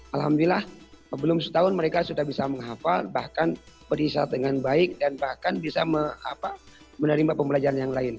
alhamdulillah belum setahun mereka sudah bisa menghafal bahkan berisyat dengan baik dan bahkan bisa menerima pembelajaran yang lain